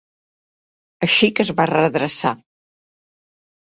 Així que es va redreçar.